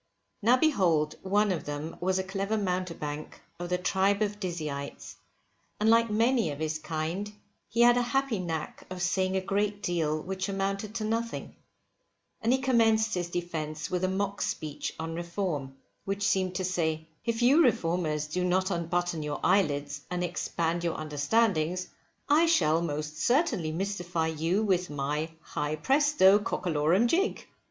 Now behold one of them was a clever mountebank of the tribe of Dizzyites, and like many of his kind he had a happy knack of saying a great deal which amounted to nothing; and he commenced his defence with a mock speech on Reform, which seemed to say: If you Reformers do not unbutton your eyelids, and expand your understandings, I shall most certainly mystify you with my high presto, cockalorum jig!